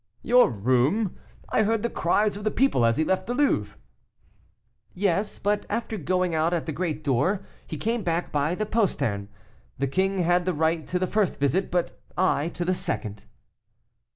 "Your room! I heard the cries of the people as he left the Louvre." "Yes; but after going out at the great door he came back by the postern. The king had the right to the first visit, but I to the second."